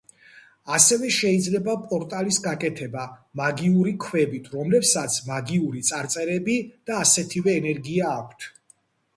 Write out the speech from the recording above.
ასევე შეიძლება პორტალის გაკეთება მაგიური ქვებით რომლებსაც მაგიური წარწერები და ასეთივე ენერგია აქვთ.